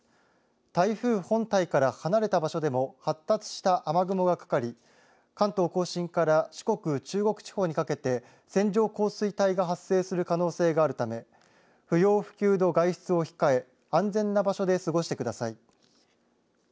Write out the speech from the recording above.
台風本体から離れた場所でも発達した雨雲がかかり関東甲信から四国、中国地方にかけて線状降水帯が発生する可能性があるため不要不急の外出を控え、安全な場所で過ごしてください。